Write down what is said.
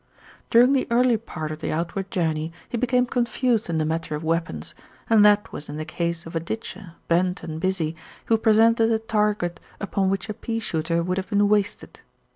During the early part of the outward journey he became confused in the matter of weapons, and that was in the case of a ditcher, bent and busy, who presented a target upon which a pea shooter would have been wasted.